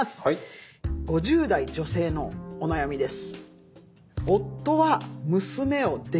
５０代女性のお悩みです。